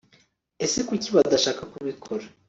Ese Kuki badashaka kubikora